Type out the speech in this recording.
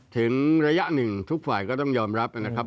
ถึงระยะหนึ่งทุกฝ่ายก็ต้องยอมรับนะครับ